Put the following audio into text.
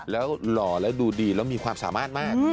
แล้วหล่อแล้วดูดีแล้วมีความสามารถมาก